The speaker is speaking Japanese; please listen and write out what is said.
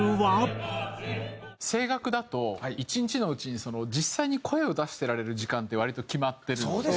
声楽だと１日のうちに実際に声を出してられる時間って割と決まってるのと。